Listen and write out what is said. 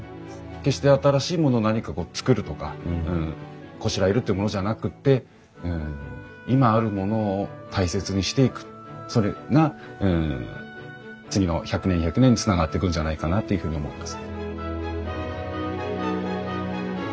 決して新しいものを何かつくるとかこしらえるっていうものじゃなくって今あるものを大切にしていくそれが次の１００年２００年につながってくんじゃないかなっていうふうに思います。